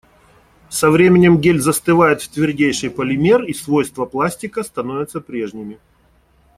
Со временем гель застывает в твердейший полимер, и свойства пластика становятся прежними.